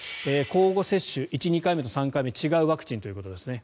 交互接種１、２回目と３回目違うワクチンということです。